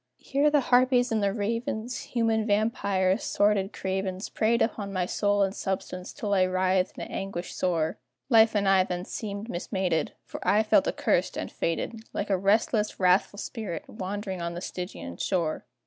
Here the harpies and the ravens, Human vampyres, sordid cravens, Preyed upon my soul and substance till I writhed in anguish sore; Life and I then seemed mismated, For I felt accursed and fated, Like a restless, wrathful spirit, wandering on the Stygian shore.